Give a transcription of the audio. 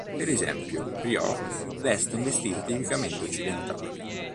Per esempio, Ryo veste un vestito tipicamente occidentale.